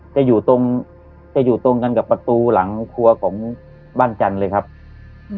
จะอยู่ตรงจะอยู่ตรงกันกับประตูหลังครัวของบ้านจันทร์เลยครับอืม